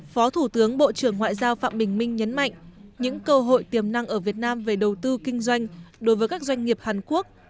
phó thủ tướng bộ trưởng ngoại giao phạm bình minh nhấn mạnh những cơ hội tiềm năng ở việt nam về đầu tư kinh doanh đối với các doanh nghiệp hàn quốc